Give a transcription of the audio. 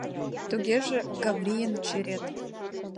Тугеже Каврийын черет.